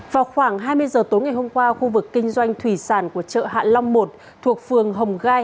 vào khoảng hai mươi giờ tối ngày hôm qua khu vực kinh doanh thủy sản của chợ hạ long một thuộc phường hồng gai